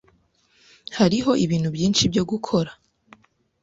Hariho ibintu byinshi byo gukora.